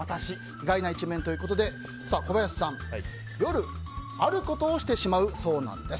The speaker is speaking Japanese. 意外な一面ということで小林さん、夜、あることをしてしまうそうなんです。